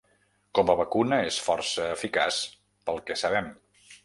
Com a vacuna és força eficaç, pel que sabem.